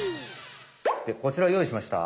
こちらをよういしました。